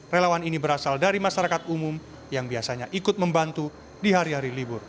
relawan ini berasal dari masyarakat umum yang biasanya ikut membantu di hari hari libur